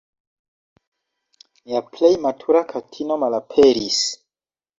Nia plej matura katino malaperis.